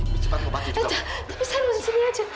tapi saya harus disini aja